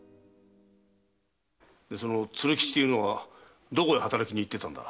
その鶴吉というのはどこへ働きに行ってたんだ？